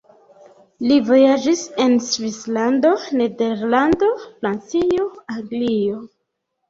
Li vojaĝis en Svislando, Nederlando, Francio, Anglio.